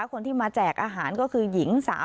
มันเป็นสิ่งที่เราไม่ได้รู้สึกว่า